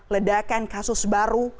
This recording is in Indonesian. ledakan kasus baru